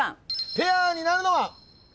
ペアになるのは？